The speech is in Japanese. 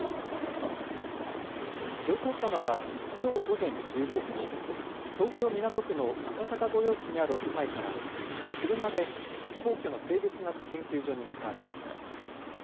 上皇さまはきょう午前１０時過ぎ、東京港区の赤坂御用地にあるお住まいから車で皇居の生物学研究所に向かわれました。